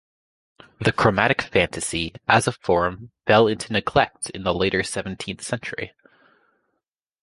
The chromatic fantasy, as a form, fell into neglect in the later seventeenth century.